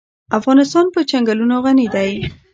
افغانستان په چنګلونه غني دی.